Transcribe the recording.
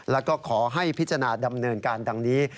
แล้วก็ขอให้พิจารณาดำเนินการดังนี้